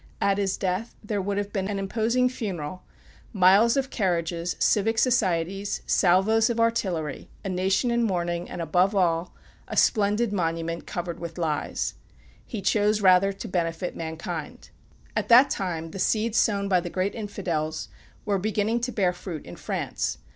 At his death there would have been an imposing funeral, miles of carriages, civic societies, salvos of artillery, a nation in mourning, and above all, a splendid monument covered with lies. He chose rather to benefit mankind. At that time the seeds sown by the great Infidels were beginning to bear fruit in France.